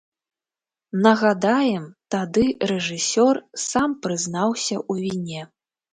Нагадаем, тады рэжысёр сам прызнаўся ў віне.